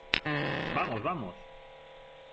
¡ vamos !¡ vamos !